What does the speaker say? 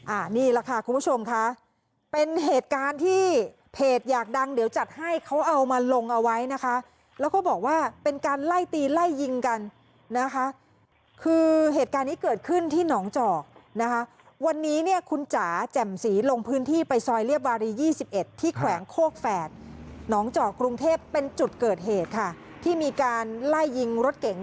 อันนี้แหละค่ะคุณผู้ชมค่ะเป็นเหตุการณ์ที่เพจอยากดังเดี๋ยวจัดให้เขาเอามาลงเอาไว้นะคะแล้วก็บอกว่าเป็นการไล่ตีไล่ยิงกันนะคะคือเหตุการณ์นี้เกิดขึ้นที่หนองจอกนะคะวันนี้เนี่ยคุณจ๋าแจ่มสีลงพื้นที่ไปซอยเรียบวารียี่สิบเอ็ดที่แขวงโคกแฝดหนองเจาะกรุงเทพเป็นจุดเกิดเหตุค่ะที่มีการไล่ยิงรถเก๋ง